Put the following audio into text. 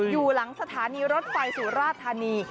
อยู่หลังสถานีรถไฟสุราธานี